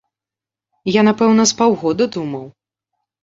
Я, напэўна, з паўгода думаў.